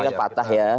ini yang patah ya